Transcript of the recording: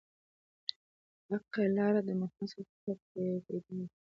حقه لار د محمد ص به يې پيدا وي